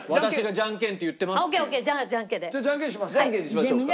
じゃんけんにしましょうか。